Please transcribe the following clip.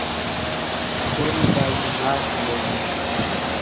ڪورِي ٻايوُن ناش ليئيَ سي۔